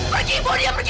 pergi ibu dia pergi